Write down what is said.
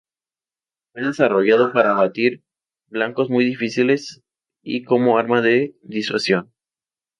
Fue desarrollado para abatir blancos muy difíciles y como arma de disuasión.